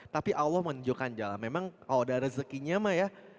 tapi allah menunjukkan jalan memang kalau ada rezekinya mah ya